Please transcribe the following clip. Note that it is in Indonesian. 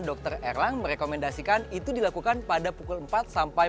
dokter erlang merekomendasikan itu dilakukan pada pukul empat sampai